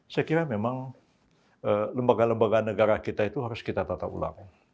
saya kira memang lembaga lembaga negara kita itu harus kita tata ulang